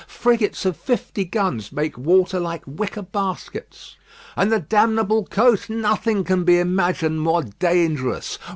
Frigates of fifty guns make water like wicker baskets. And the damnable coast! Nothing can be imagined more dangerous.